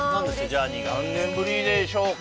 ジャーニーが何年ぶりでしょうか？